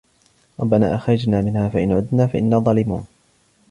رَبَّنَا أَخْرِجْنَا مِنْهَا فَإِنْ عُدْنَا فَإِنَّا ظَالِمُونَ